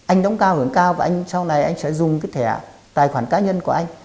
anh đóng cao hưởng cao và anh sau này anh sẽ dùng cái thẻ tài khoản cá nhân của anh